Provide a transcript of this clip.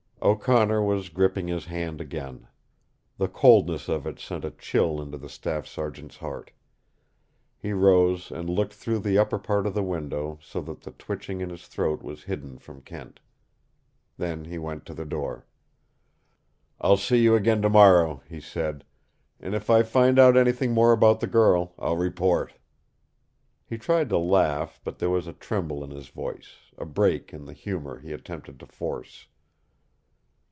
O'Connor was gripping his hand again. The coldness of it sent a chill into the staff sergeant's heart. He rose and looked through the upper part of the window, so that the twitching in his throat was hidden from Kent. Then he went to the door. "I'll see you again tomorrow," he said. "And if I find out anything more about the girl, I'll report." He tried to laugh, but there was a tremble in his voice, a break in the humor he attempted to force.